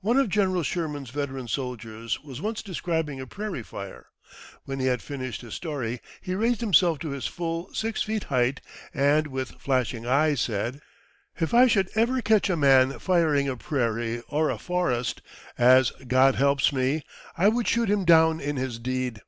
One of General Sherman's veteran soldiers was once describing a prairie fire. When he had finished his story, he raised himself to his full six feet height, and with flashing eyes said, "If I should ever catch a man firing a prairie or a forest, as God helps me, I would shoot him down in his deed."